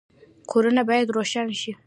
کورونه باید روښانه شي